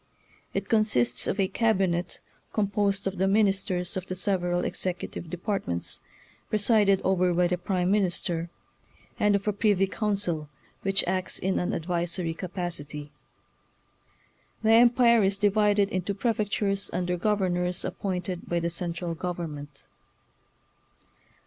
It consists of a cabinet, composed of the ministers of the several executive depart ments, presided over by the Prime Min ister; and of a privy council, which acts in an advisory capacity. The Empire is divided into prefectures under governors appointed by the central government.